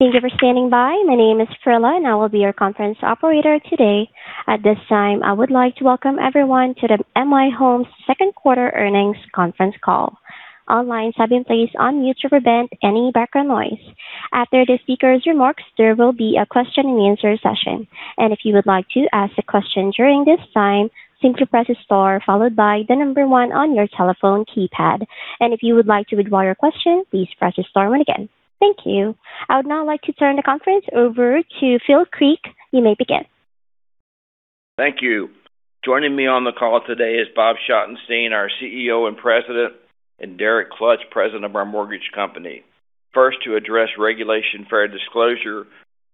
Thank you for standing by. My name is Perla and I will be your conference operator today. At this time, I would like to welcome everyone to the M/I Homes Second Quarter Earnings Conference Call. All lines have been placed on mute to prevent any background noise. After the speakers' remarks, there will be a question-and-answer session. If you would like to ask a question during this time, simply press star followed by the number one on your telephone keypad. If you would like to withdraw your question, please press star one again. Thank you. I would now like to turn the conference over to Phil Creek. You may begin. Thank you. Joining me on the call today is Bob Schottenstein, our CEO and President, and Derek Klutch, President of our mortgage company. First, to address regulation fair disclosure,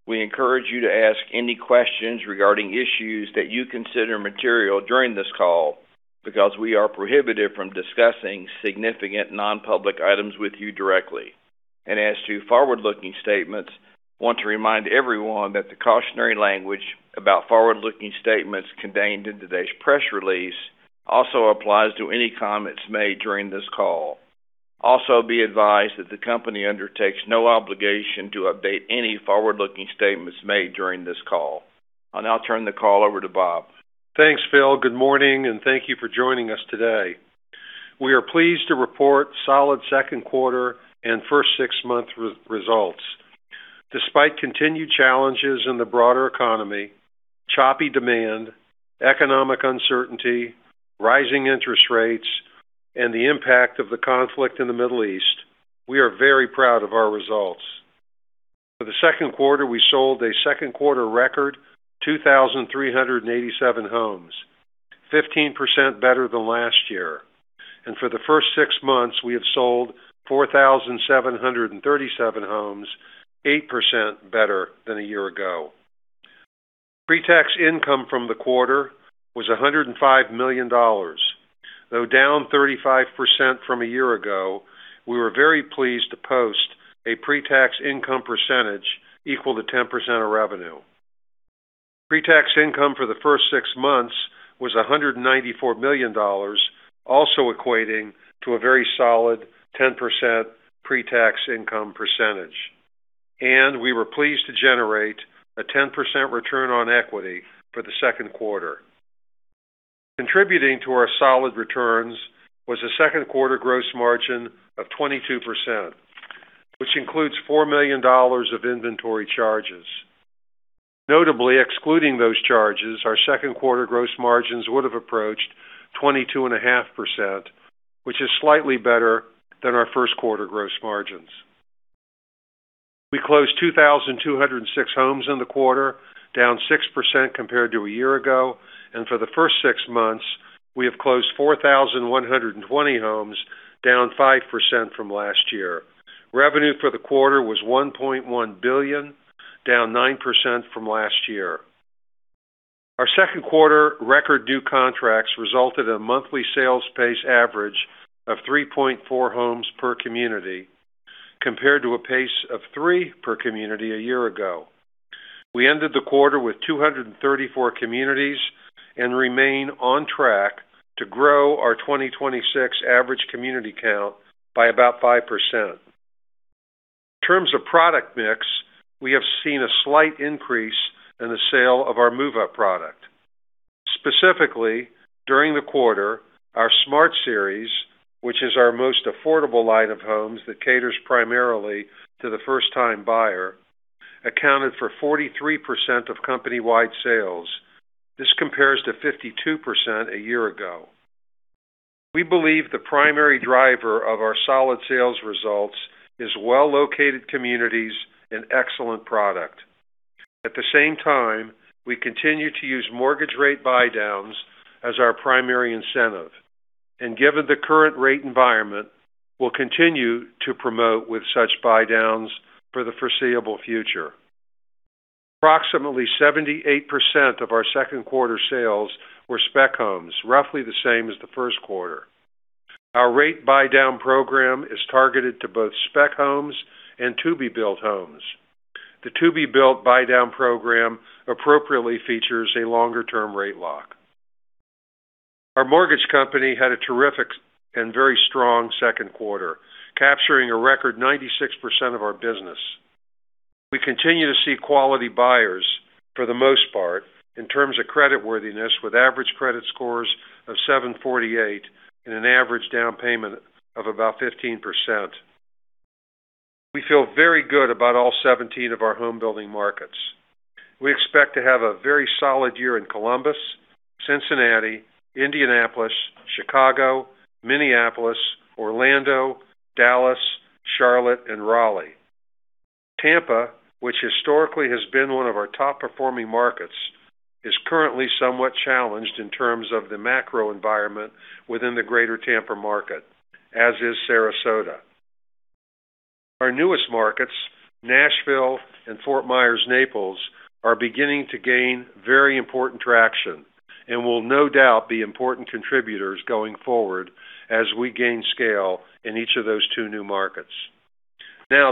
we encourage you to ask any questions regarding issues that you consider material during this call because we are prohibited from discussing significant non-public items with you directly. As to forward-looking statements, I want to remind everyone that the cautionary language about forward-looking statements contained in today's press release also applies to any comments made during this call. Also, be advised that the company undertakes no obligation to update any forward-looking statements made during this call. I'll now turn the call over to Bob. Thanks, Phil. Good morning, and thank you for joining us today. We are pleased to report solid second quarter and first six-month results. Despite continued challenges in the broader economy, choppy demand, economic uncertainty, rising interest rates, and the impact of the conflict in the Middle East, we are very proud of our results. For the second quarter, we sold a second-quarter record 2,387 homes, 15% better than last year. For the first six months, we have sold 4,737 homes, 8% better than a year ago. Pre-tax income from the quarter was $105 million. Though down 35% from a year ago, we were very pleased to post a pre-tax income percentage equal to 10% of revenue. Pre-tax income for the first six months was $194 million, also equating to a very solid 10% pre-tax income percentage. We were pleased to generate a 10% return on equity for the second quarter. Contributing to our solid returns was a second-quarter gross margin of 22%, which includes $4 million of inventory charges. Notably excluding those charges, our second-quarter gross margins would have approached 22.5%, which is slightly better than our first-quarter gross margins. We closed 2,206 homes in the quarter, down 6% compared to a year ago. For the first six months, we have closed 4,120 homes, down 5% from last year. Revenue for the quarter was $1.1 billion, down 9% from last year. Our second quarter record new contracts resulted in a monthly sales pace average of 3.4 homes per community, compared to a pace of three homes per community a year ago. We ended the quarter with 234 communities and remain on track to grow our 2026 average community count by about 5%. In terms of product mix, we have seen a slight increase in the sale of our move-up product. Specifically, during the quarter, our Smart Series, which is our most affordable line of homes that caters primarily to the first-time buyer, accounted for 43% of company-wide sales. This compares to 52% a year ago. We believe the primary driver of our solid sales results is well-located communities and excellent product. At the same time, we continue to use mortgage rate buydowns as our primary incentive, and given the current rate environment, will continue to promote with such buydowns for the foreseeable future. Approximately 78% of our second-quarter sales were spec homes, roughly the same as the first quarter. Our rate buydown program is targeted to both spec homes and to-be-built homes. The to-be-built buydown program appropriately features a longer-term rate lock. Our mortgage company had a terrific and very strong second quarter, capturing a record 96% of our business. We continue to see quality buyers for the most part in terms of creditworthiness, with average credit scores of 748 and an average down payment of about 15%. We feel very good about all 17 of our home-building markets. We expect to have a very solid year in Columbus, Cincinnati, Indianapolis, Chicago, Minneapolis, Orlando, Dallas, Charlotte, and Raleigh. Tampa, which historically has been one of our top-performing markets, is currently somewhat challenged in terms of the macro environment within the greater Tampa market, as is Sarasota. Our newest markets, Nashville and Fort Myers/Naples, are beginning to gain very important traction and will no doubt be important contributors going forward as we gain scale in each of those two new markets.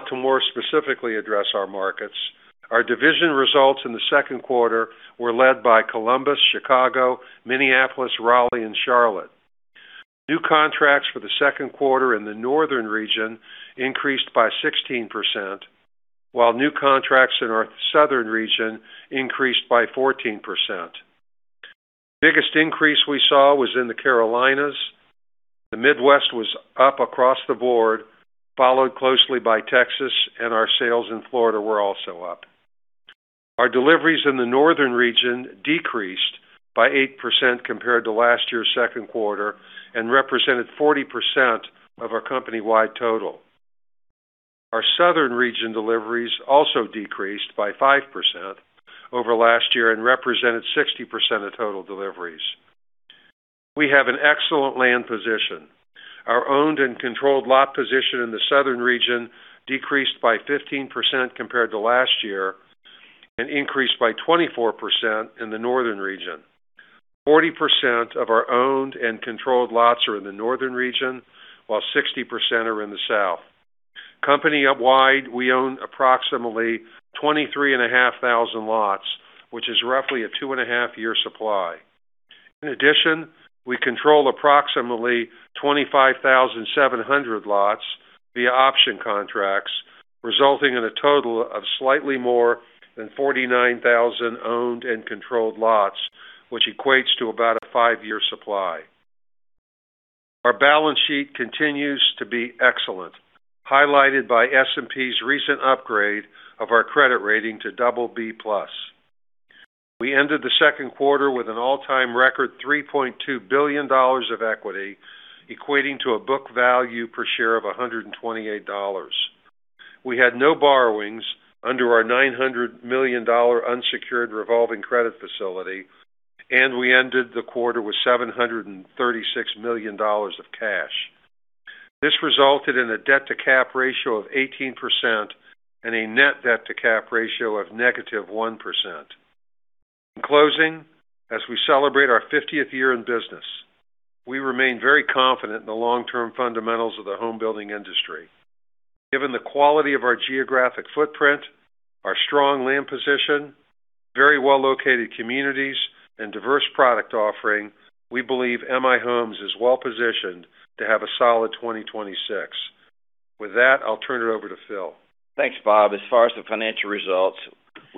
To more specifically address our markets, our division results in the second quarter were led by Columbus, Chicago, Minneapolis, Raleigh, and Charlotte. New contracts for the second quarter in the northern region increased by 16%, while new contracts in our southern region increased by 14%. Biggest increase we saw was in the Carolinas. The Midwest was up across the board, followed closely by Texas, and our sales in Florida were also up. Our deliveries in the northern region decreased by 8% compared to last year's second quarter and represented 40% of our company-wide total. Our southern region deliveries also decreased by 5% over last year and represented 60% of total deliveries. We have an excellent land position. Our owned and controlled lot position in the southern region decreased by 15% compared to last year and increased by 24% in the northern region. 40% of our owned and controlled lots are in the northern region, while 60% are in the south. Company-wide, we own approximately 23,500 lots, which is roughly a two-and-a-half-year supply. In addition, we control approximately 25,700 lots via option contracts, resulting in a total of slightly more than 49,000 owned and controlled lots, which equates to about a five-year supply. Our balance sheet continues to be excellent, highlighted by S&P's recent upgrade of our credit rating to BB+. We ended the second quarter with an all-time record, $3.2 billion of equity, equating to a book value per share of $128. We had no borrowings under our $900 million unsecured revolving credit facility, and we ended the quarter with $736 million of cash. This resulted in a debt-to-cap ratio of 18% and a net debt-to-cap ratio of -1%. In closing, as we celebrate our 50th year in business, we remain very confident in the long-term fundamentals of the home building industry. Given the quality of our geographic footprint, our strong land position, very well-located communities, and diverse product offering, we believe M/I Homes is well-positioned to have a solid 2026. With that, I'll turn it over to Phil. Thanks, Bob. As far as the financial results,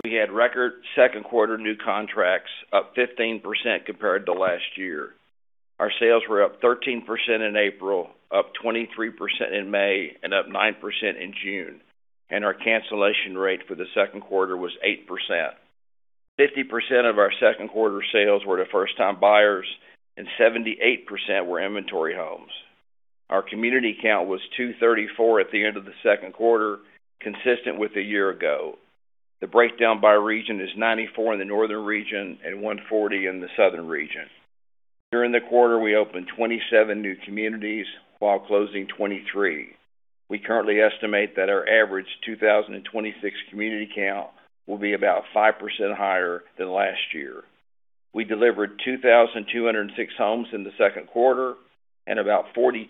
we had record second quarter new contracts up 15% compared to last year. Our sales were up 13% in April, up 23% in May, and up 9% in June, and our cancellation rate for the second quarter was 8%. 50% of our second quarter sales were to first-time buyers and 78% were inventory homes. Our community count was 234 at the end of the second quarter, consistent with a year ago. The breakdown by region is 94 in the northern region and 140 in the southern region. During the quarter, we opened 27 new communities while closing 23. We currently estimate that our average 2026 community count will be about 5% higher than last year. We delivered 2,206 homes in the second quarter, and about 42%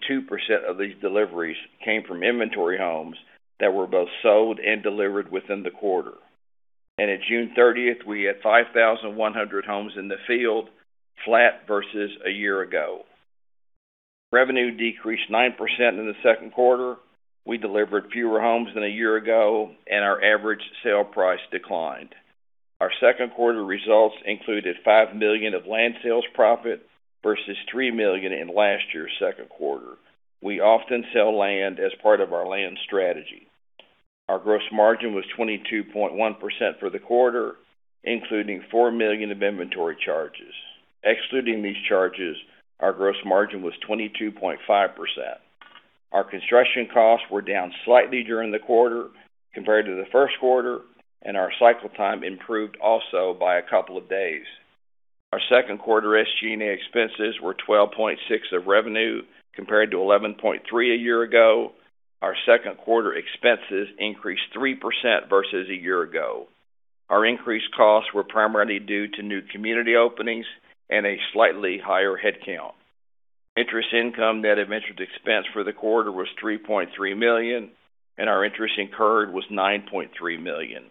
of these deliveries came from inventory homes that were both sold and delivered within the quarter. At June 30th, we had 5,100 homes in the field, flat versus a year ago. Revenue decreased 9% in the second quarter. We delivered fewer homes than a year ago and our average sale price declined. Our second quarter results included $5 million of land sales profit versus $3 million in last year's second quarter. We often sell land as part of our land strategy. Our gross margin was 22.1% for the quarter, including $4 million of inventory charges. Excluding these charges, our gross margin was 22.5%. Our construction costs were down slightly during the quarter compared to the first quarter, and our cycle time improved also by a couple of days. Our second quarter SG&A expenses were 12.6% of revenue, compared to 11.3% a year ago. Our second quarter expenses increased 3% versus a year ago. Our increased costs were primarily due to new community openings and a slightly higher headcount. Interest income net of interest expense for the quarter was $3.3 million, and our interest incurred was $9.3 million.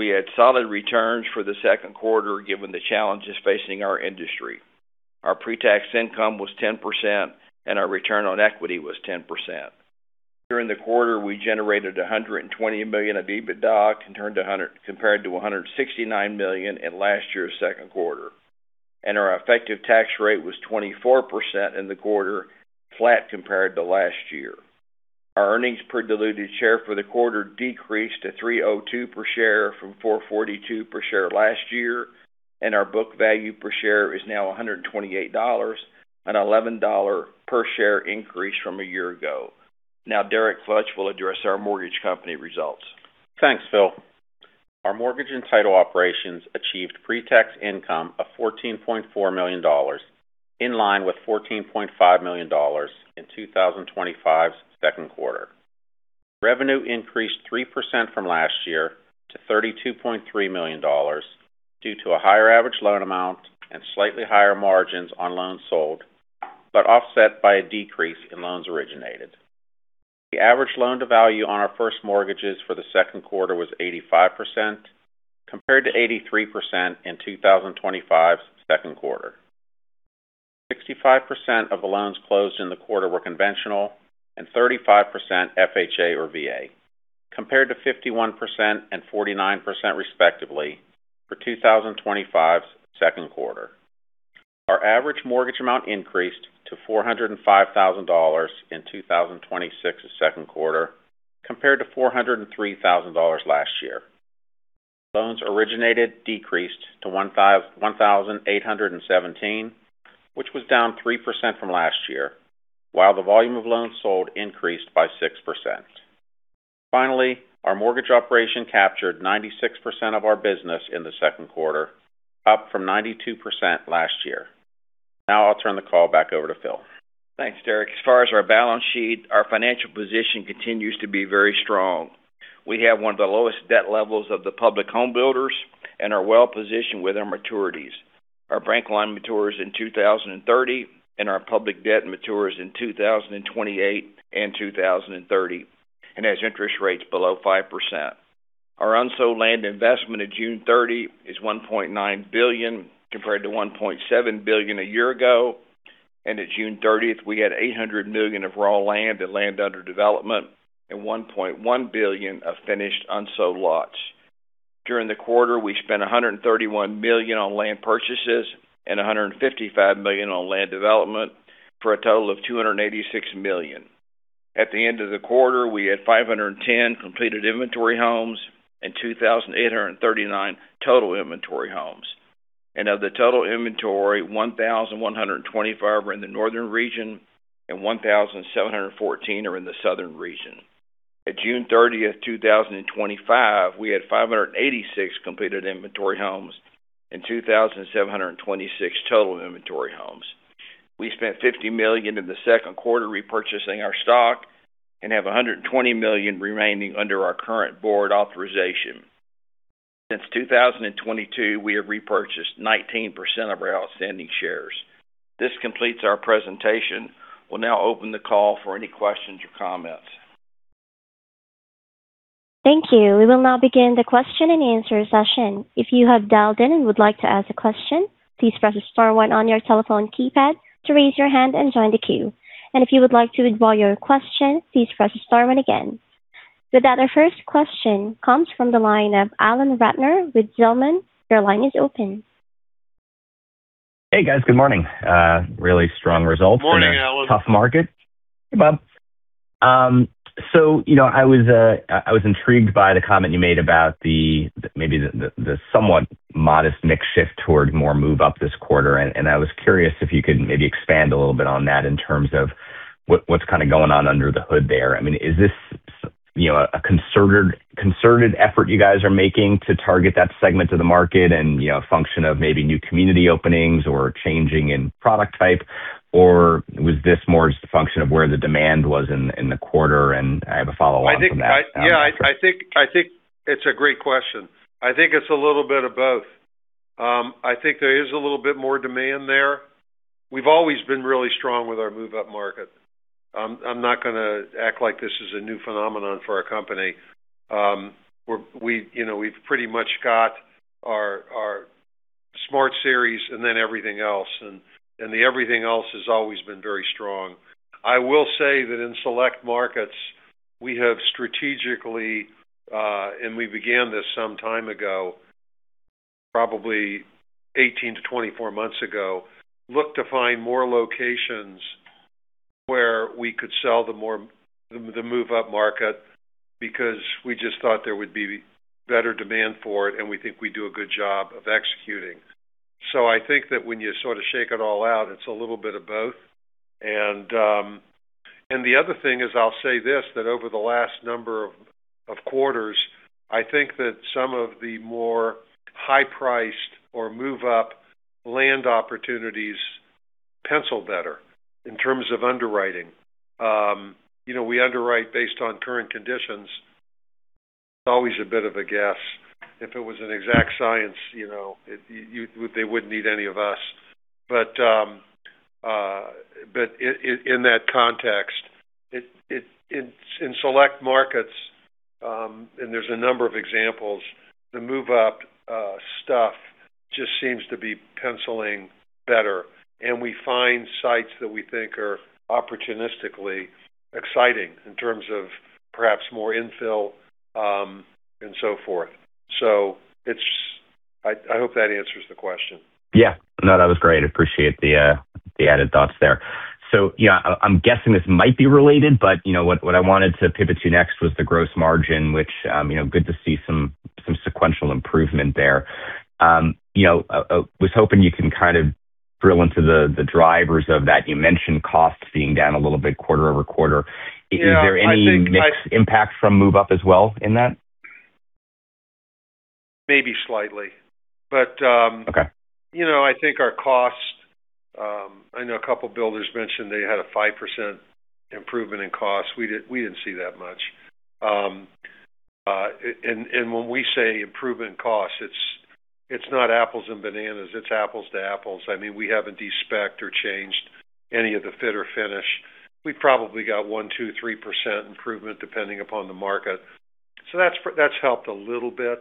We had solid returns for the second quarter, given the challenges facing our industry. Our pre-tax income was 10%, and our return on equity was 10%. During the quarter, we generated $120 million of EBITDA compared to $169 million in last year's second quarter, and our effective tax rate was 24% in the quarter, flat compared to last year. Our earnings per diluted share for the quarter decreased to $3.02 per share from $4.42 per share last year. Our book value per share is now $128, an $11 per share increase from a year ago. Now, Derek Klutch will address our mortgage company results. Thanks, Phil. Our mortgage and title operations achieved pre-tax income of $14.4 million, in line with $14.5 million in 2025's second quarter. Revenue increased 3% from last year to $32.3 million due to a higher average loan amount and slightly higher margins on loans sold, offset by a decrease in loans originated. The average loan to value on our first mortgages for the second quarter was 85%, compared to 83% in 2025's second quarter. 65% of the loans closed in the quarter were conventional and 35% FHA or VA, compared to 51% and 49%, respectively, for 2025's second quarter. Our average mortgage amount increased to $405,000 in 2026's second quarter compared to $403,000 last year. Loans originated decreased to 1,817, which was down 3% from last year, while the volume of loans sold increased by 6%. Finally, our mortgage operation captured 96% of our business in the second quarter, up from 92% last year. Now I'll turn the call back over to Phil. Thanks, Derek. As far as our balance sheet, our financial position continues to be very strong. We have one of the lowest debt levels of the public home builders and are well-positioned with our maturities. Our bank line matures in 2030. Our public debt matures in 2028 and 2030 and has interest rates below 5%. Our unsold land investment at June 30 is $1.9 billion, compared to $1.7 billion a year ago. At June 30th, we had $800 million of raw land and land under development and $1.1 billion of finished unsold lots. During the quarter, we spent $131 million on land purchases and $155 million on land development, for a total of $286 million. At the end of the quarter, we had 510 completed inventory homes and 2,839 total inventory homes. Of the total inventory, 1,125 are in the northern region and 1,714 are in the southern region. At June 30th, 2025, we had 586 completed inventory homes and 2,726 total inventory homes. We spent $50 million in the second quarter repurchasing our stock and have $120 million remaining under our current board authorization. Since 2022, we have repurchased 19% of our outstanding shares. This completes our presentation. We'll now open the call for any questions or comments. Thank you. We will now begin the question-and-answer session. With that, our first question comes from the line of Alan Ratner with Zelman. Your line is open. Hey, guys. Good morning. Morning, Alan Really strong results in a tough market. Hey, Bob. I was intrigued by the comment you made about maybe the somewhat modest mix shift toward more move up this quarter, and I was curious if you could maybe expand a little bit on that in terms of what's kind of going on under the hood there. Is this a concerted effort you guys are making to target that segment of the market and a function of maybe new community openings or changing in product type? Or was this more just a function of where the demand was in the quarter? I have a follow on from that. Yeah. I think it's a great question. I think it's a little bit of both. I think there is a little bit more demand there. We've always been really strong with our move-up market. I'm not going to act like this is a new phenomenon for our company. We've pretty much got our Smart Series and then everything else, and the everything else has always been very strong. I will say that in select markets, we have strategically, and we began this some time ago, probably 18 to 24 months ago, looked to find more locations where we could sell the move-up market because we just thought there would be better demand for it, and we think we do a good job of executing. I think that when you sort of shake it all out, it's a little bit of both. The other thing is, I'll say this, that over the last number of quarters, I think that some of the more high-priced or move-up land opportunities penciled better in terms of underwriting. We underwrite based on current conditions. It's always a bit of a guess. If it was an exact science, they wouldn't need any of us. In that context, in select markets, and there's a number of examples, the move-up stuff just seems to be penciling better, and we find sites that we think are opportunistically exciting in terms of perhaps more infill, and so forth. I hope that answers the question. Yeah. No, that was great. I appreciate the added thoughts there. I'm guessing this might be related, but what I wanted to pivot to next was the gross margin, which good to see some sequential improvement there. I was hoping you can kind of drill into the drivers of that. You mentioned costs being down a little bit quarter-over-quarter. Is there any mix impact from move-up as well in that? Maybe slightly. Okay I think our cost, I know a couple of builders mentioned they had a 5% improvement in cost. We didn't see that much. When we say improvement costs, it's not apples and bananas, it's apples to apples. We haven't de-spec'd or changed any of the fit or finish. We probably got 1%, 2%, 3% improvement depending upon the market. That's helped a little bit.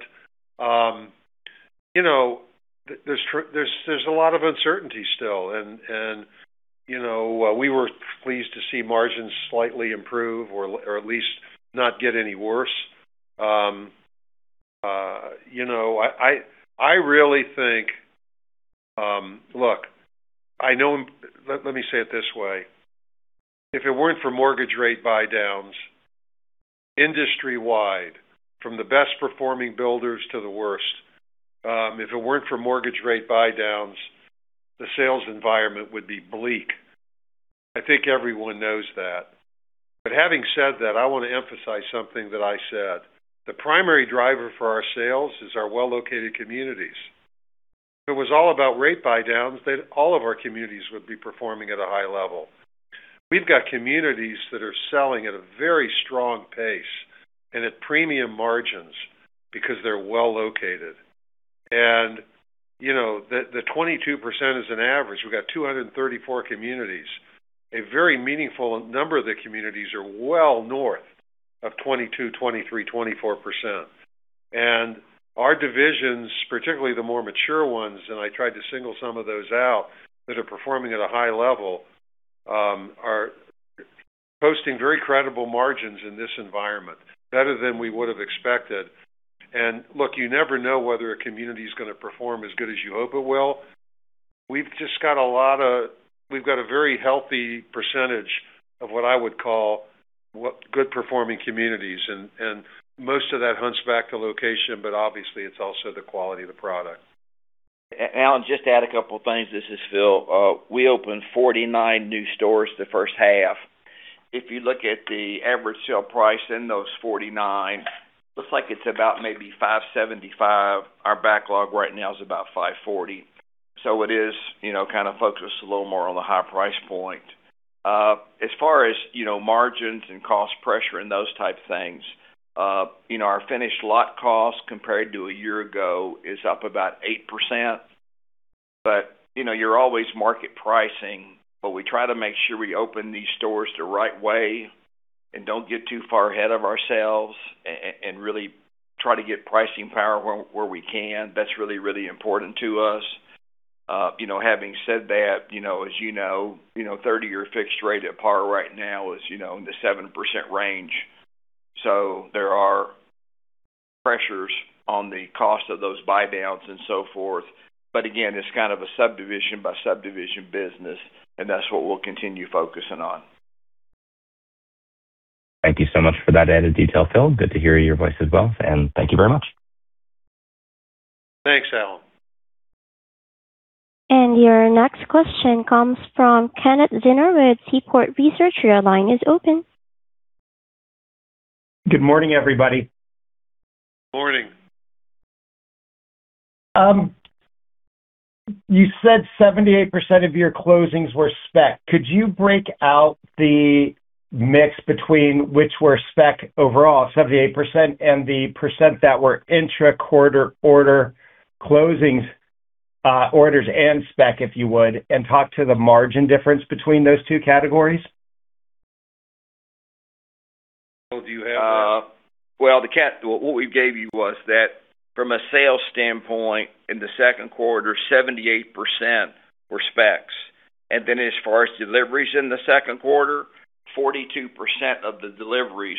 There's a lot of uncertainty still, and we were pleased to see margins slightly improve or at least not get any worse. I really think. Look, let me say it this way. If it weren't for mortgage rate buydowns industry-wide, from the best performing builders to the worst, if it weren't for mortgage rate buydowns, the sales environment would be bleak. I think everyone knows that. Having said that, I want to emphasize something that I said. The primary driver for our sales is our well-located communities. If it was all about rate buydowns, all of our communities would be performing at a high level. We've got communities that are selling at a very strong pace and at premium margins because they're well-located. The 22% is an average. We've got 234 communities. A very meaningful number of the communities are well north of 22%, 23%, 24%. Our divisions, particularly the more mature ones, and I tried to single some of those out that are performing at a high level, are posting very credible margins in this environment, better than we would have expected. Look, you never know whether a community is going to perform as good as you hope it will. We've got a very healthy percentage of what I would call good performing communities, and most of that hunts back to location, but obviously, it's also the quality of the product. Alan, just to add a couple of things. This is Phil. We opened 49 new stores the first half. If you look at the average sale price in those 49, looks like it's about maybe $575. Our backlog right now is about $540. It is kind of focused a little more on the high price point. As far as margins and cost pressure and those type of things, our finished lot cost compared to a year ago is up about 8%, but you're always market pricing, but we try to make sure we open these stores the right way and don't get too far ahead of ourselves, and really try to get pricing power where we can. That's really important to us. Having said that, as you know, 30-year fixed rate at par right now is in the 7% range. There are pressures on the cost of those buydowns and so forth. Again, it's kind of a subdivision by subdivision business, and that's what we'll continue focusing on. Thank you so much for that added detail, Phil. Good to hear your voice as well, and thank you very much. Thanks, Alan. Your next question comes from Kenneth Zener with Seaport Research. Your line is open. Good morning, everybody. Morning. You said 78% of your closings were spec. Could you break out the mix between which were spec overall, 78%, and the percent that were intra-quarter order closings, orders and spec, if you would, and talk to the margin difference between those two categories? Phil, do you have that? Well, what we gave you was that from a sales standpoint in the second quarter, 78% were specs. As far as deliveries in the second quarter, 42% of the deliveries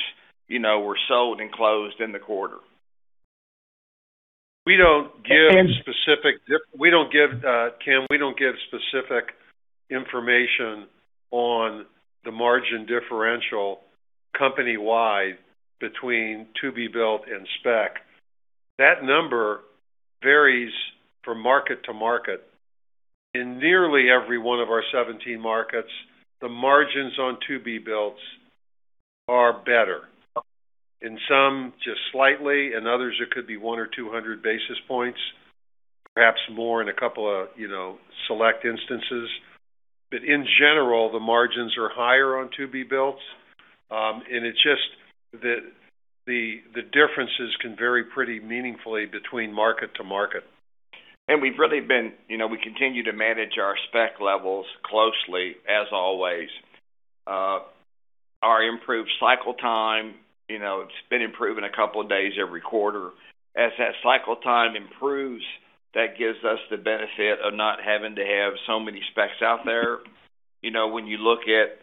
were sold and closed in the quarter. We don't give, Ken, we don't give specific information on the margin differential company-wide between to-be-built and spec. That number varies from market to market. In nearly every one of our 17 markets, the margins on to-be-builts are better. In some, just slightly. In others, it could be 1 or 200 basis points, perhaps more in a couple of select instances. In general, the margins are higher on to-be-builts. It's just the differences can vary pretty meaningfully between market to market. We continue to manage our spec levels closely, as always. Our improved cycle time, it's been improving a couple of days every quarter. As that cycle time improves, that gives us the benefit of not having to have so many specs out there. When you look at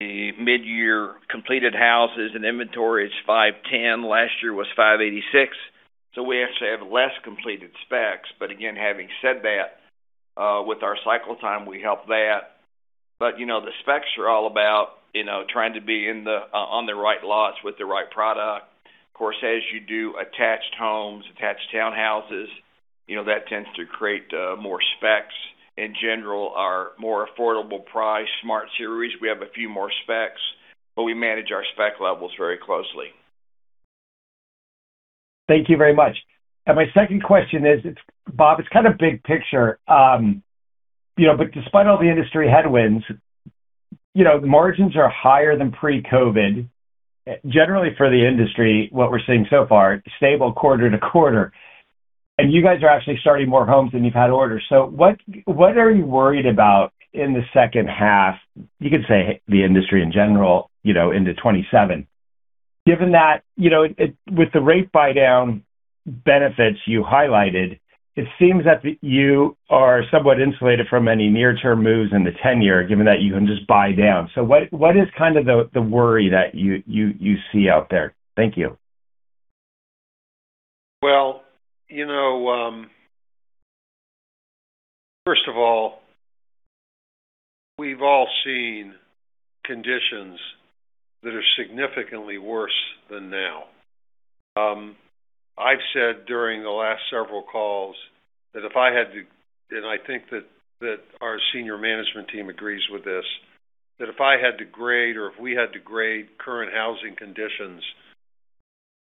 the mid-year completed houses and inventory, it's 510. Last year was 586. We actually have less completed specs. Again, having said that, with our cycle time, we help that. The specs are all about trying to be on the right lots with the right product. Of course, as you do attached homes, attached townhouses, that tends to create more specs. In general, our more affordable price, Smart Series, we have a few more specs, but we manage our spec levels very closely. Thank you very much. My second question is, Bob, it's kind of big picture. Despite all the industry headwinds, the margins are higher than pre-COVID. Generally for the industry, what we're seeing so far, stable quarter-to-quarter. You guys are actually starting more homes than you've had orders. What are you worried about in the second half? You could say the industry in general into 2027. Given that with the rate buydown benefits you highlighted, it seems that you are somewhat insulated from any near-term moves in the 10-year, given that you can just buy down. What is kind of the worry that you see out there? Thank you. Well, first of all, we've all seen conditions that are significantly worse than now. I've said during the last several calls, I think that our senior management team agrees with this, that if I had to grade or if we had to grade current housing conditions,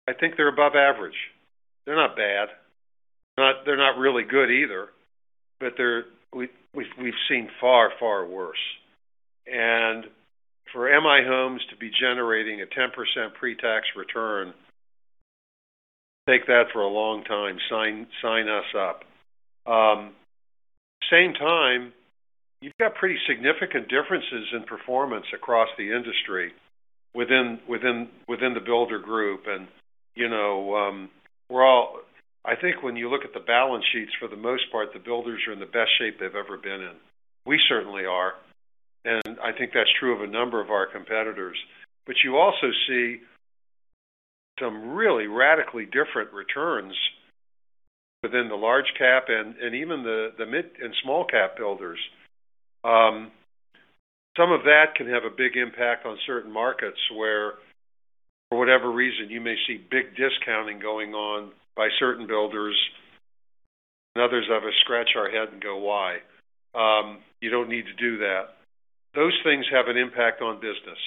I think they're above average. They're not bad. They're not really good either, we've seen far, far worse. For M/I Homes to be generating a 10% pretax return, take that for a long time, sign us up. Same time, you've got pretty significant differences in performance across the industry within the builder group, I think when you look at the balance sheets, for the most part, the builders are in the best shape they've ever been in. We certainly are, and I think that's true of a number of our competitors. You also see some really radically different returns within the large-cap and even the mid- and small-cap builders. Some of that can have a big impact on certain markets where, for whatever reason, you may see big discounting going on by certain builders and others of us scratch our head and go, "Why? You don't need to do that." Those things have an impact on business.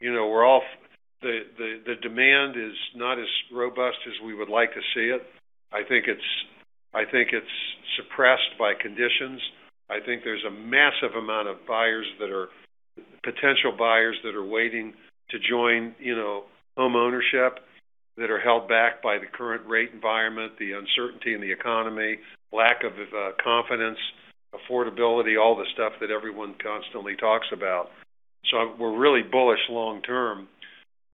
The demand is not as robust as we would like to see it. I think it's suppressed by conditions. I think there's a massive amount of potential buyers that are waiting to join homeownership that are held back by the current rate environment, the uncertainty in the economy, lack of confidence, affordability, all the stuff that everyone constantly talks about. We're really bullish long term.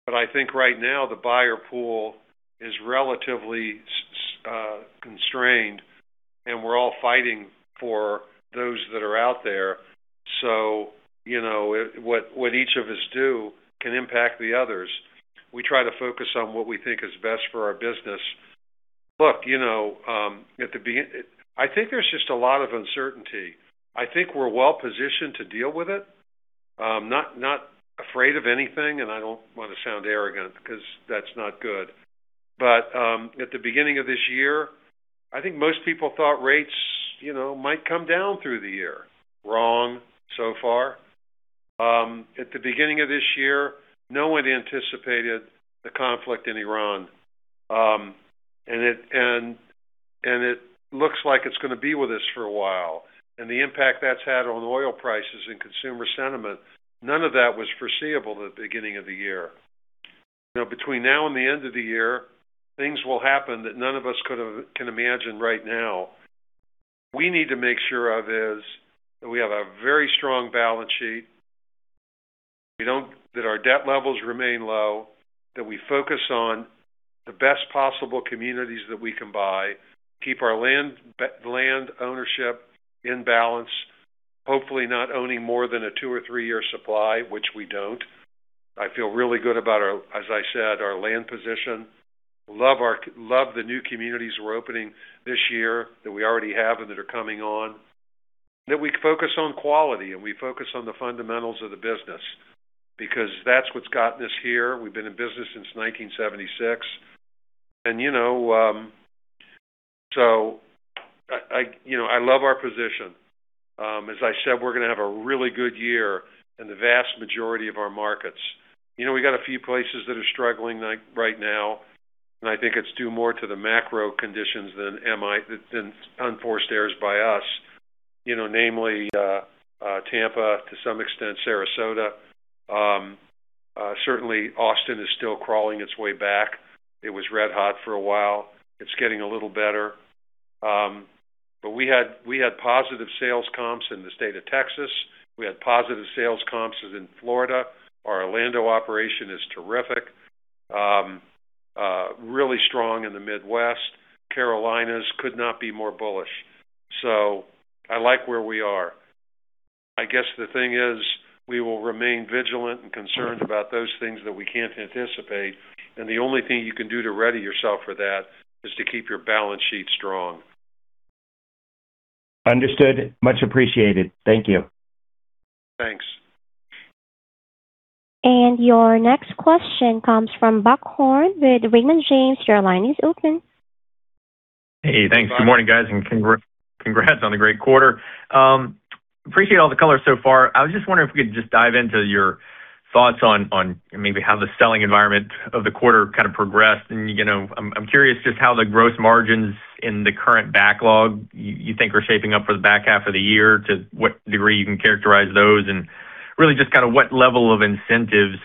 I think right now the buyer pool is relatively constrained, and we're all fighting for those that are out there. What each of us do can impact the others. We try to focus on what we think is best for our business. Look, I think there's just a lot of uncertainty. I think we're well-positioned to deal with it. Not afraid of anything, and I don't want to sound arrogant because that's not good. At the beginning of this year, I think most people thought rates might come down through the year. Wrong so far. At the beginning of this year, no one anticipated the conflict in Iran, and it looks like it's going to be with us for a while. The impact that's had on oil prices and consumer sentiment, none of that was foreseeable at the beginning of the year. Between now and the end of the year, things will happen that none of us can imagine right now. We need to make sure that we have a very strong balance sheet, that our debt levels remain low, that we focus on the best possible communities that we can buy, keep our land ownership in balance, hopefully not owning more than a two- or three-year supply, which we don't. I feel really good about, as I said, our land position. Love the new communities we're opening this year that we already have and that are coming on. That we focus on quality and we focus on the fundamentals of the business because that's what's gotten us here. We've been in business since 1976. I love our position. As I said, we're going to have a really good year in the vast majority of our markets. We got a few places that are struggling right now, and I think it's due more to the macro conditions than unforced errors by us. Namely Tampa, to some extent Sarasota. Certainly, Austin is still crawling its way back. It was red hot for a while. It's getting a little better. We had positive sales comps in the state of Texas. We had positive sales comps in Florida. Our Orlando operation is terrific. Really strong in the Midwest. Carolinas could not be more bullish. I like where we are. I guess the thing is, we will remain vigilant and concerned about those things that we can't anticipate, and the only thing you can do to ready yourself for that is to keep your balance sheet strong. Understood. Much appreciated. Thank you. Thanks. Your next question comes from Buck Horne with Raymond James. Your line is open. Hey, thanks. Good morning, guys, and congrats on the great quarter. Appreciate all the color so far. I was just wondering if we could just dive into your thoughts on maybe how the selling environment of the quarter kind of progressed. I'm curious just how the gross margins in the current backlog you think are shaping up for the back half of the year, to what degree you can characterize those, and really just kind of what level of incentives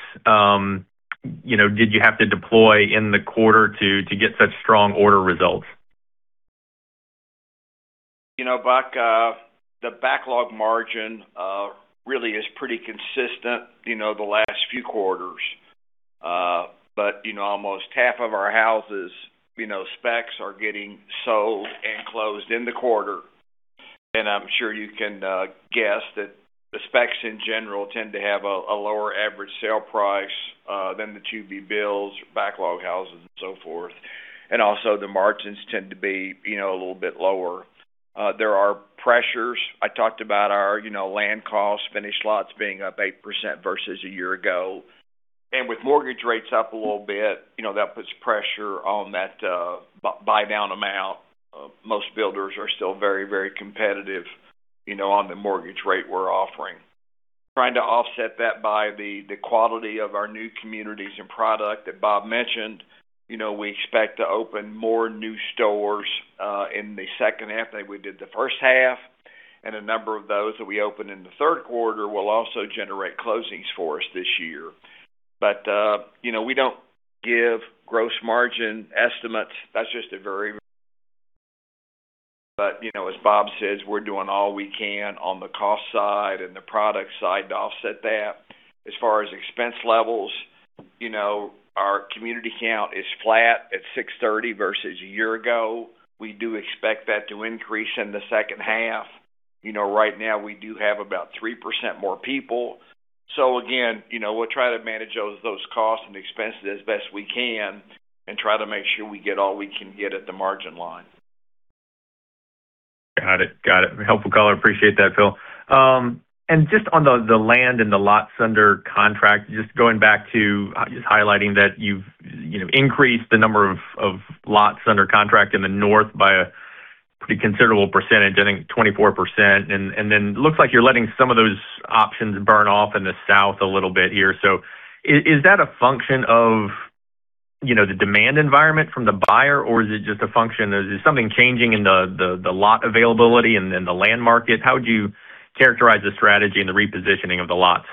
did you have to deploy in the quarter to get such strong order results? Buck, the backlog margin really is pretty consistent the last few quarters. Almost half of our houses, specs are getting sold and closed in the quarter. I'm sure you can guess that the specs in general tend to have a lower average sale price than the to-be builds, backlog houses and so forth. Also the margins tend to be a little bit lower. There are pressures. I talked about our land costs, finished lots being up 8% versus a year ago. With mortgage rates up a little bit, that puts pressure on that buydown amount. Most builders are still very, very competitive on the mortgage rate we're offering. Trying to offset that by the quality of our new communities and product that Bob mentioned. We expect to open more new stores in the second half than we did the first half, a number of those that we open in the third quarter will also generate closings for us this year. We don't give gross margin estimates. As Bob says, we're doing all we can on the cost side and the product side to offset that. As far as expense levels, our community count is flat at 630 versus a year ago. We do expect that to increase in the second half. Right now, we do have about 3% more people. Again, we'll try to manage those costs and expenses as best we can and try to make sure we get all we can get at the margin line. Got it. Helpful color. Appreciate that, Phil. Just on the land and the lots under contract, just going back to just highlighting that you've increased the number of lots under contract in the north by a pretty considerable percentage, I think 24%, looks like you're letting some of those options burn off in the south a little bit here. Is that a function of the demand environment from the buyer, or is it just a function, is something changing in the lot availability and in the land market? How would you characterize the strategy and the repositioning of the lots?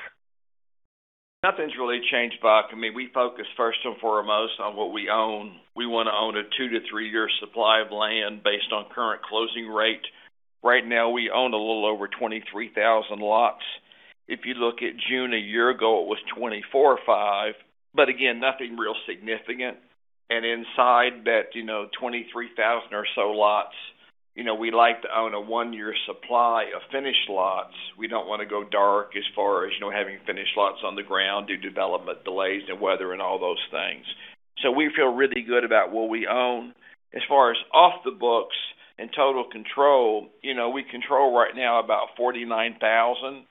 Nothing's really changed, Buck. We focus first and foremost on what we own. We want to own a two to three-year supply of land based on current closing rate. Right now, we own a little over 23,000 lots. If you look at June a year ago, it was 24 or 5, again, nothing real significant. Inside that 23,000 or so lots, we like to own a one-year supply of finished lots. We don't want to go dark as far as having finished lots on the ground due to development delays and weather and all those things. We feel really good about what we own. As far as off the books and total control, we control right now about 49,000.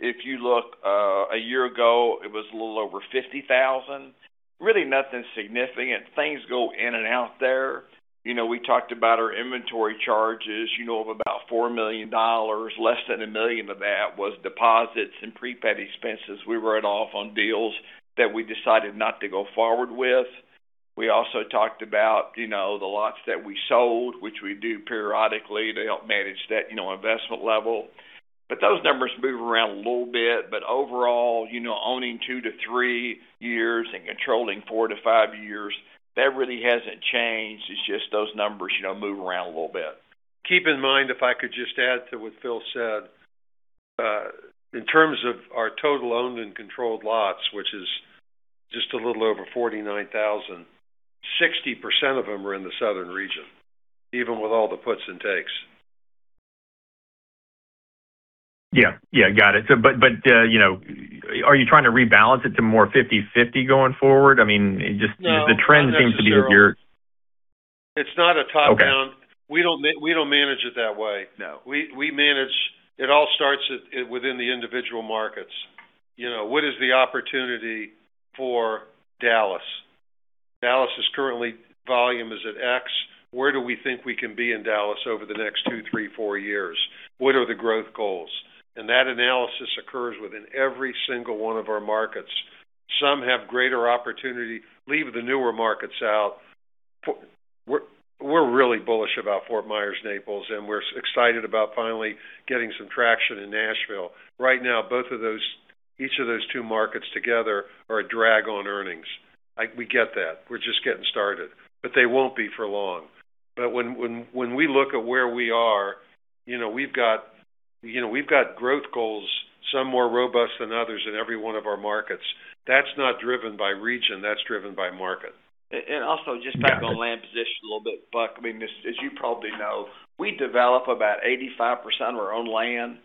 If you look a year ago, it was a little over 50,000. Really nothing significant. Things go in and out there. We talked about our inventory charges of about $4 million. Less than a million of that was deposits and prepaid expenses we wrote off on deals that we decided not to go forward with. We also talked about the lots that we sold, which we do periodically to help manage that investment level. Those numbers move around a little bit. Overall, owning two to three years and controlling four to five years, that really hasn't changed. It's just those numbers move around a little bit. Keep in mind, if I could just add to what Phil said, in terms of our total owned and controlled lots, which is just a little over 49,000, 60% of them are in the southern region, even with all the puts and takes. Yeah. Got it. Are you trying to rebalance it to more 50/50 going forward? I mean, just the trend seems to be? No, not necessarily. It's not a top-down. Okay. We don't manage it that way. We manage. It all starts within the individual markets. What is the opportunity for Dallas? Dallas is currently volume is at X. Where do we think we can be in Dallas over the next two, three, four years? What are the growth goals? That analysis occurs within every single one of our markets. Some have greater opportunity. Leave the newer markets out. We're really bullish about Fort Myers, Naples, and we're excited about finally getting some traction in Nashville. Right now, both of those, each of those two markets together are a drag on earnings. We get that. We're just getting started. They won't be for long. When we look at where we are, we've got growth goals, some more robust than others in every one of our markets. That's not driven by region, that's driven by market. Also just talking about land position a little bit, Buck, as you probably know, we develop about 85% of our own land.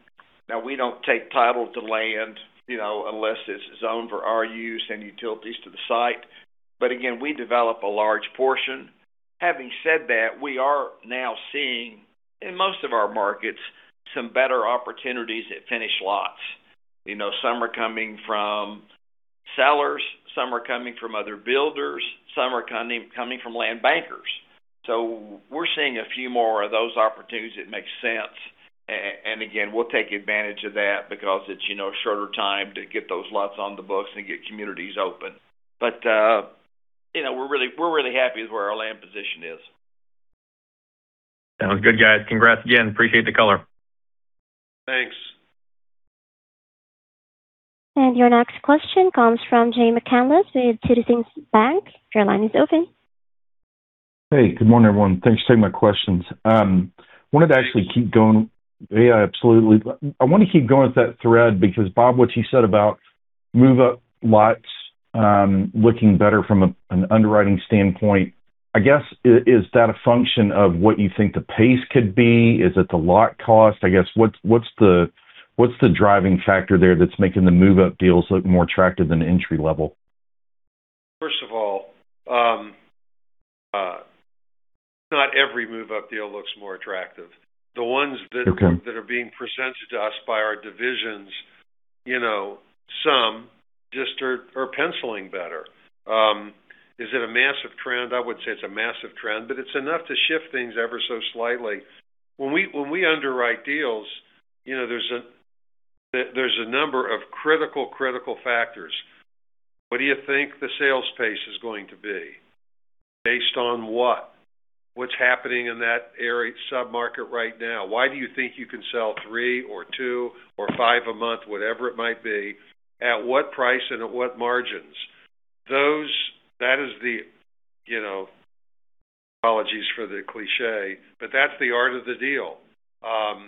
Now, we don't take title to land unless it's zoned for our use and utilities to the site. Again, we develop a large portion. Having said that, we are now seeing, in most of our markets, some better opportunities at finished lots. Some are coming from Sellers, some are coming from other builders, some are coming from land bankers. We're seeing a few more of those opportunities that make sense. Again, we'll take advantage of that because it's shorter time to get those lots on the books and get communities open. We're really happy with where our land position is. Sounds good, guys. Congrats again. Appreciate the color. Thanks. Your next question comes from Jay McCanless with Wedbush Securities. Your line is open. Hey, good morning, everyone. Thanks for taking my questions. I wanted to actually keep going. Yeah, absolutely. I want to keep going with that thread because Bob, what you said about move-up lots looking better from an underwriting standpoint, I guess, is that a function of what you think the pace could be? Is it the lot cost? I guess, what's the driving factor there that's making the move-up deals look more attractive than entry-level? First of all, not every move-up deal looks more attractive. The ones that are being presented to us by our divisions, some just are penciling better. Is it a massive trend? I wouldn't say it's a massive trend, but it's enough to shift things ever so slightly. When we underwrite deals, there's a number of critical factors. What do you think the sales pace is going to be? Based on what? What's happening in that area sub-market right now? Why do you think you can sell three or two or five a month, whatever it might be, at what price and at what margins? Apologies for the cliché, but that's the art of the deal. A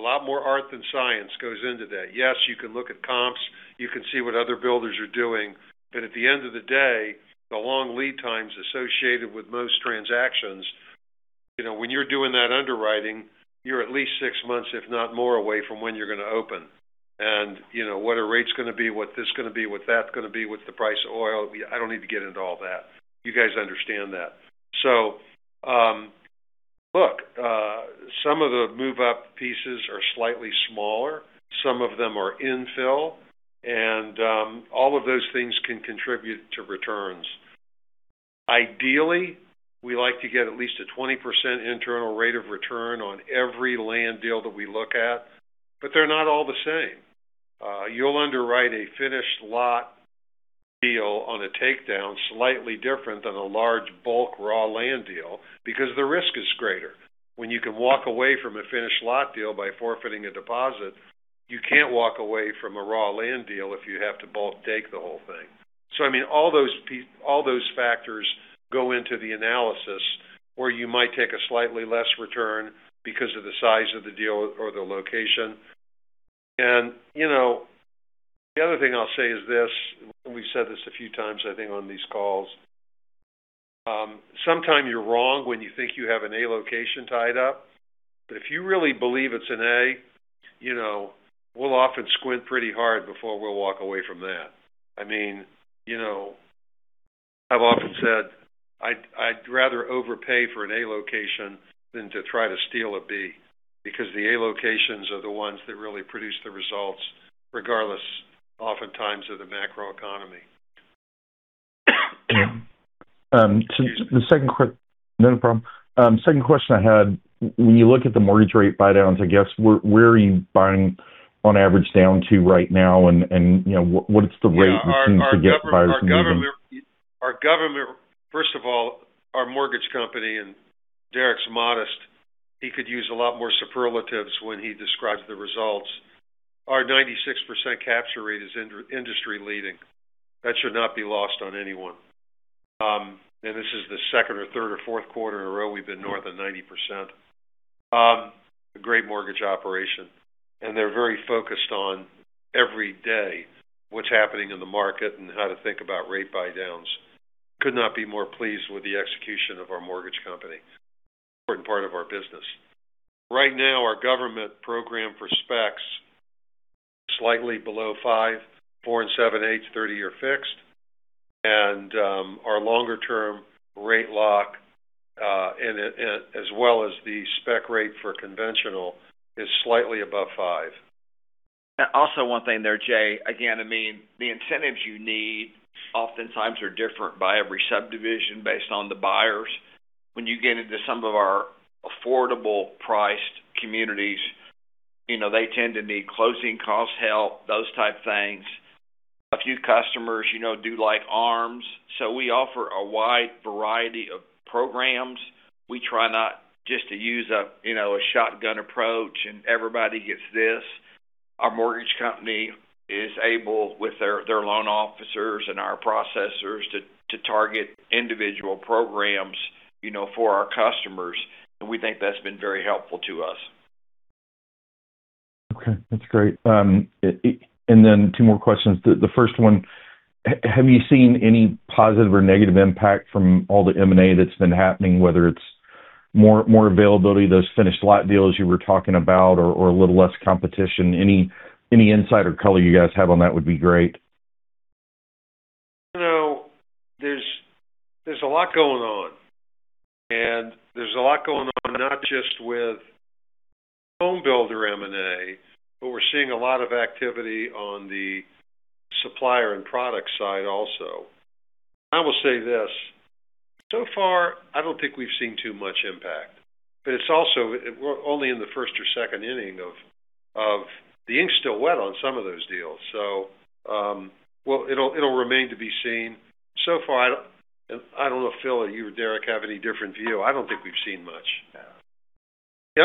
lot more art than science goes into that. Yes, you can look at comps, you can see what other builders are doing, but at the end of the day, the long lead times associated with most transactions, when you're doing that underwriting, you're at least six months, if not more, away from when you're going to open. What are rates going to be? What this going to be? What that's going to be? What's the price of oil? I don't need to get into all that. You guys understand that. Look, some of the move-up pieces are slightly smaller, some of them are infill, and all of those things can contribute to returns. Ideally, we like to get at least a 20% internal rate of return on every land deal that we look at, but they're not all the same. You'll underwrite a finished lot deal on a takedown slightly different than a large bulk raw land deal because the risk is greater. When you can walk away from a finished lot deal by forfeiting a deposit, you can't walk away from a raw land deal if you have to bulk take the whole thing. All those factors go into the analysis where you might take a slightly less return because of the size of the deal or the location. The other thing I'll say is this, and we've said this a few times, I think, on these calls. Sometimes you're wrong when you think you have an A location tied up. If you really believe it's an A, we'll often squint pretty hard before we'll walk away from that. I've often said, I'd rather overpay for an A location than to try to steal a B, because the A locations are the ones that really produce the results, regardless, oftentimes, of the macroeconomy. Second question I had, when you look at the mortgage rate buydowns, I guess, where are you buying on average down to right now? What is the rate you seem to get buyers to move them? First of all, our mortgage company, Derek's modest, he could use a lot more superlatives when he describes the results. Our 96% capture rate is industry leading. That should not be lost on anyone. This is the second or third or fourth quarter in a row we've been north of 90%. A great mortgage operation, and they're very focused on every day what's happening in the market and how to think about rate buydowns. Could not be more pleased with the execution of our mortgage company. Important part of our business. Right now, our government program for specs, slightly below 5, 4 and 7, 8 to 30-year fixed. Our longer-term rate lock, as well as the spec rate for conventional, is slightly above five. Also one thing there, Jay, again, the incentives you need oftentimes are different by every subdivision based on the buyers. When you get into some of our affordable priced communities, they tend to need closing cost help, those type things. A few customers do like arms. We offer a wide variety of programs. We try not just to use a shotgun approach and everybody gets this. Our mortgage company is able, with their loan officers and our processors, to target individual programs for our customers, and we think that's been very helpful to us. Okay, that's great. Then two more questions. The first one, have you seen any positive or negative impact from all the M&A that's been happening, whether it's more availability of those finished lot deals you were talking about or a little less competition? Any insight or color you guys have on that would be great. There's a lot going on. There's a lot going on not just with home builder M&A, but we're seeing a lot of activity on the supplier and product side also. I will say this, so far, I don't think we've seen too much impact. It's also, we're only in the first or second inning. The ink's still wet on some of those deals. It'll remain to be seen. So far, I don't know, Phil, if you or Derek have any different view. I don't think we've seen much. No.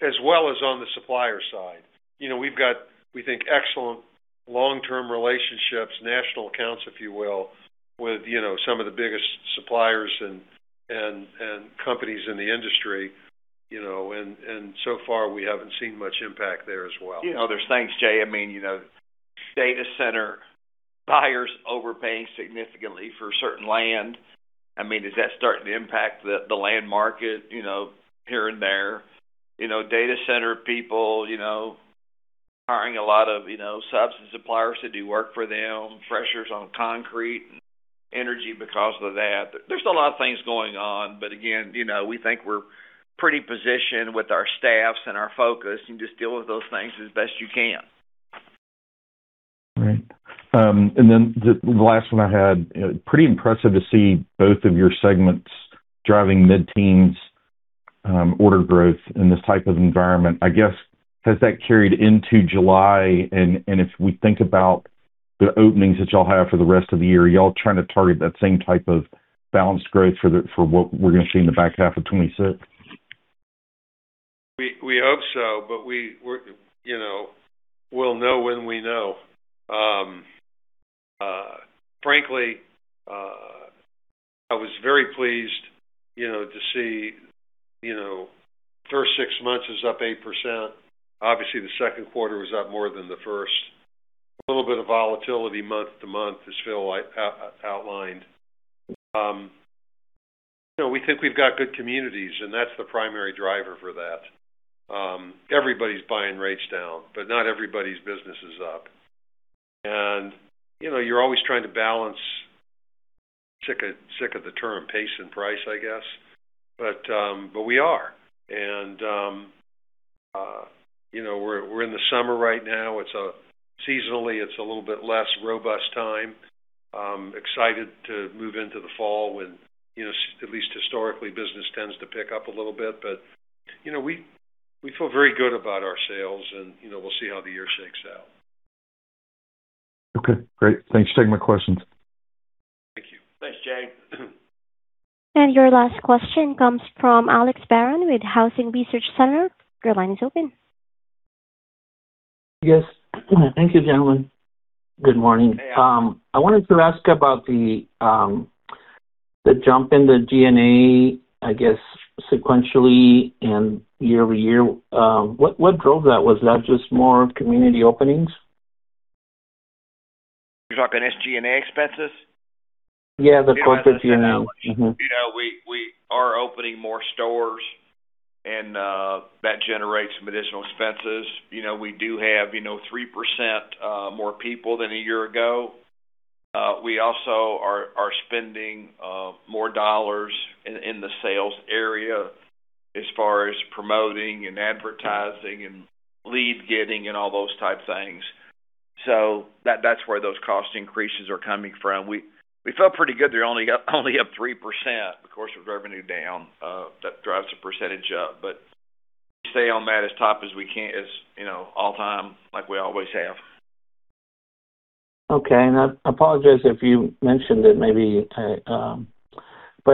As well as on the supplier side. We've got, we think, excellent long-term relationships, national accounts, if you will, with some of the biggest suppliers and companies in the industry. So far, we haven't seen much impact there as well. There's things, Jay. Data center buyers overpaying significantly for certain land. Is that starting to impact the land market here and there? Data center people hiring a lot of subs and suppliers to do work for them, pressures on concrete and energy because of that. There's a lot of things going on, again, we think we're pretty positioned with our staffs and our focus, and just deal with those things as best you can. Right. The last one I had. Pretty impressive to see both of your segments driving mid-teens order growth in this type of environment. I guess, has that carried into July? If we think about the openings that y'all have for the rest of the year, are y'all trying to target that same type of balanced growth for what we're going to see in the back half of 2026? We hope so, but we'll know when we know. Frankly, I was very pleased to see first six months is up 8%. Obviously, the second quarter was up more than the first. A little bit of volatility month-over-month, as Phil outlined. We think we've got good communities, and that's the primary driver for that. Everybody's buying rates down, but not everybody's business is up. You're always trying to balance, sick of the term, pace and price, I guess. We are. We're in the summer right now. Seasonally, it's a little bit less robust time. Excited to move into the fall when at least historically, business tends to pick up a little bit. We feel very good about our sales, and we'll see how the year shakes out. Okay, great. Thanks for taking my questions. Thank you. Thanks, Jay. Your last question comes from Alex Barron with Housing Research Center. Your line is open. Thank you, gentlemen. Good morning. Hey. I wanted to ask about the jump in the SG&A, I guess, sequentially and year-over-year. What drove that? Was that just more community openings? You're talking SG&A expenses? Yeah, the corporate SG&A. Mm-hmm. As I said, Alex, we are opening more stores and that generates some additional expenses. We do have 3% more people than a year ago. We also are spending more dollars in the sales area as far as promoting and advertising and lead getting and all those type things. That's where those cost increases are coming from. We feel pretty good they're only up 3%. Of course, with revenue down, that drives the percentage up. We stay on that as top as we can as all time like we always have. Okay. I apologize if you mentioned it maybe.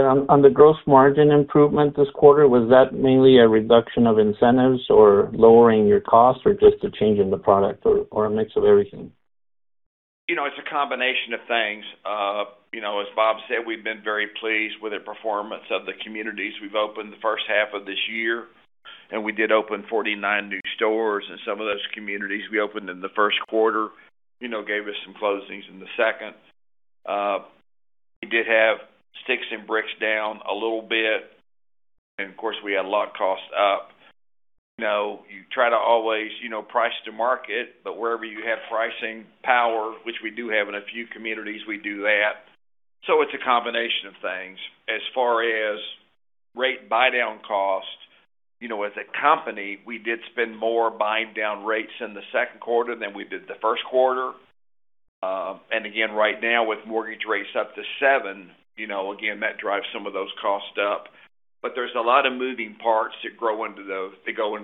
On the gross margin improvement this quarter, was that mainly a reduction of incentives or lowering your cost or just a change in the product or a mix of everything? It's a combination of things. As Bob said, we've been very pleased with the performance of the communities we've opened the first half of this year, we did open 49 new stores, some of those communities we opened in the first quarter gave us some closings in the second. We did have sticks and bricks down a little bit, of course, we had lot costs up. You try to always price to market, wherever you have pricing power, which we do have in a few communities, we do that. It's a combination of things. As far as rate buy-down cost, as a company, we did spend more buying down rates in the second quarter than we did the first quarter. Again, right now with mortgage rates up to seven, again, that drives some of those costs up. There's a lot of moving parts that go into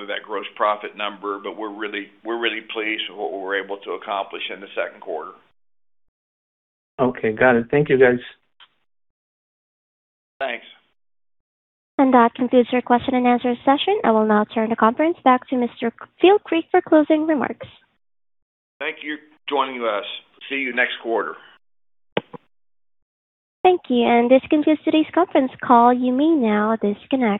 that gross profit number. We're really pleased with what we were able to accomplish in the second quarter. Okay, got it. Thank you, guys. Thanks. That concludes your question and answer session. I will now turn the conference back to Mr. Phil Creek for closing remarks. Thank you for joining us. See you next quarter. Thank you, and this concludes today's conference call. You may now disconnect.